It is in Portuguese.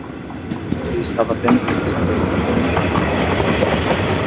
Eu estava apenas pensando em um ponche de rum flamejante.